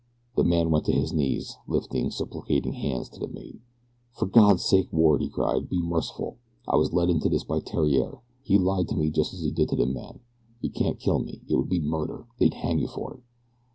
The man went to his knees, lifting supplicating hands to the mate. "For God's sake, Mr. Ward," he cried, "be merciful. I was led into this by Theriere. He lied to me just as he did to the men. You can't kill me it would be murder they'd hang you for it."